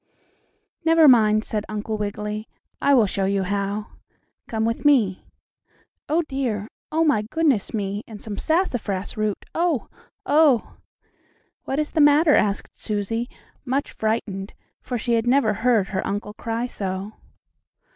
"Never mind," said Uncle Wiggily, "I will show you how. Come with me. Oh, dear! Oh, my goodness me, and some sassafras root! Oh! oh!" "What is the matter?" asked Susie, much frightened, for she had never heard her uncle cry so.